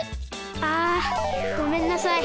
あごめんなさい。